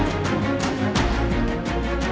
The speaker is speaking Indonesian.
kepala komoditi lantai